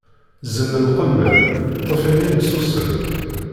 Zemmem qemmem, ṭṭef immi-m sussem.